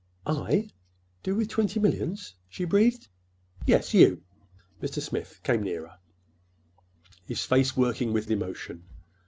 "I?—do with twenty millions?" she breathed. "Yes, you." Mr. Smith came nearer, his face working with emotion.